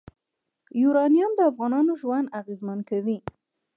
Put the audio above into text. یورانیم د افغانانو ژوند اغېزمن کوي.